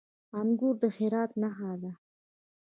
انګور د هرات نښه ده.